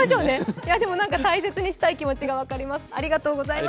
大切にしたい気持ちが分かります。